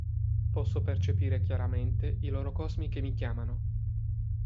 Posso percepire chiaramente i loro cosmi che mi chiamano!